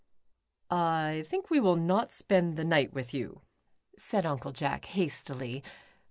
" I think we will not spend the night with you," said Uncle Jack, hastily.